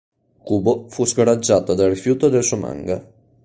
Kubo fu scoraggiato dal rifiuto del suo manga.